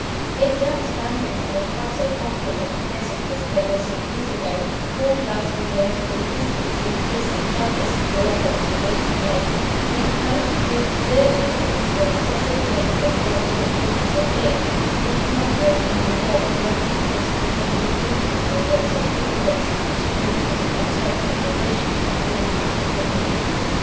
If Black Spaniels are not quite so popular at present as they were some years ago, the fault lies with those breeders, exhibitors, and judges (the latter being most to blame) who encouraged the absurd craze for excessive length of body and shortness of leg which not very long ago threatened to transform the whole breed into a race of cripples, and to bring it into contempt and derision among all practical men.